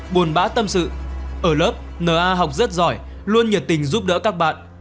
buồn bã tâm sự ở lớp n a học rất giỏi luôn nhiệt tình giúp đỡ các bạn